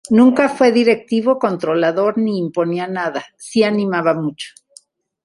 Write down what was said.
Nunca fue directivo, controlador, ni imponía nada, sí animaba mucho.